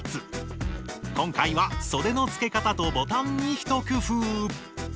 今回はそでの付け方とボタンにひと工夫。